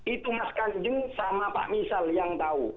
itu mas kanjeng sama pak misal yang tahu